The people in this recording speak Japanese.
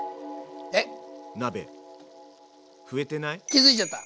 気付いちゃった？